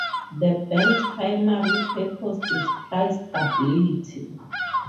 The Bank's primary purpose is price stability.